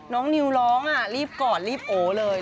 นิวร้องรีบกอดรีบโอเลย